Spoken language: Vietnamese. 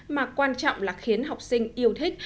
mà quan trọng là khiến học sinh yêu thích